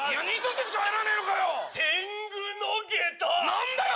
何だよ